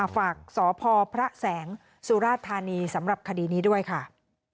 ฝากสพพระแสงสุราธานีสำหรับคดีนี้ด้วยค่ะ